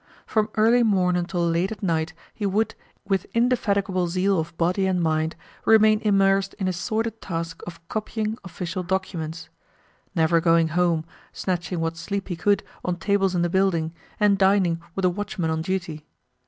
From early morn until late at night he would, with indefatigable zeal of body and mind, remain immersed in his sordid task of copying official documents never going home, snatching what sleep he could on tables in the building, and dining with the watchman on duty.